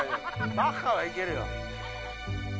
バッハはいけるよ。